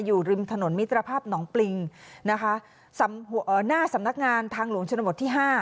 อยู่ริมถนนมิตรภาพหนองปริงนะคะหน้าสำนักงานทางหลวงชนบทที่๕